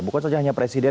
bukan saja hanya presiden